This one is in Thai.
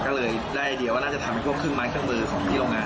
ก็เลยได้ไอเดียว่าน่าจะทำให้พวกเครื่องไม้เครื่องมือของที่โรงงาน